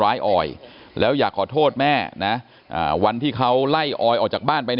ออยแล้วอยากขอโทษแม่นะวันที่เขาไล่ออยออกจากบ้านไป